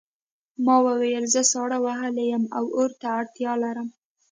ما وویل زه ساړه وهلی یم او اور ته اړتیا لرم